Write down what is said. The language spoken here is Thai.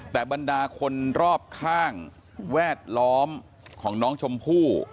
แต่บรรดาคนรอบข้างแวดล้อมของน้องชมพู่